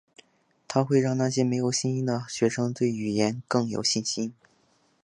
它会让那些没有自信心的学生对于语言更有信心。